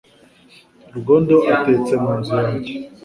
Rugondo atetse mu nzu yanjye